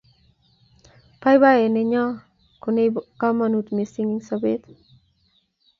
baibaiet nenyon ko nebo kamangut missing eng' sabet